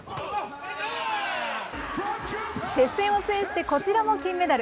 接戦を制してこちらも金メダル。